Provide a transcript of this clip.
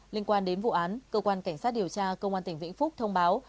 liên quan đến vụ án cơ quan cảnh sát điều tra công an tỉnh vĩnh phúc thông báo